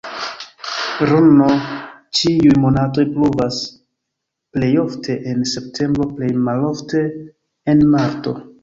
Rn ĉiuj monatoj pluvas, plej ofte en septembro, plej malofte en marto.